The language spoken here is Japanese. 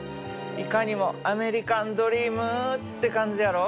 いかにもアメリカンドリームって感じやろ。